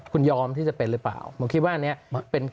คุณยอมที่จะเป็นหรือเปล่าผมคิดว่าอันนี้เป็น